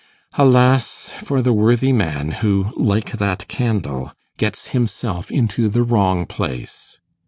Alas for the worthy man who, like that candle, gets himself into the wrong place!